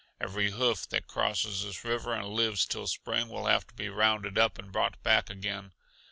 Every hoof that crosses this river and lives till spring will have to be rounded up and brought back again.